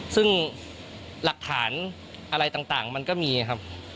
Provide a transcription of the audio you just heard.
ซึ่งหลักฐานอะไรต่างมันก็มีครับ